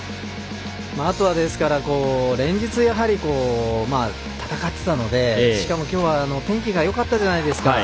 あとは、連日やはり戦っていたのでしかも、今日は天気がよかったじゃないですか。